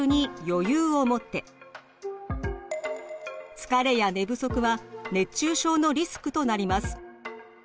疲れや寝不足は熱中症のリスクとなります。